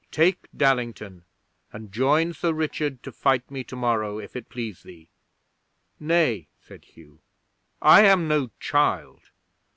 Take Dallington, and join Sir Richard to fight me tomorrow, if it please thee!" '"Nay," said Hugh. "I am no child.